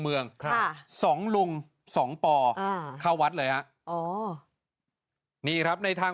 เมืองค่ะสองลุงสองป่ออ่าเข้าวัดเลยฮะอ๋อนี่ครับในทาง